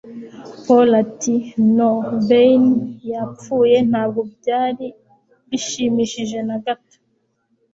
Paul ati: 'Y'kknow, bein' yapfuye ntabwo byari bishimishije na gato '...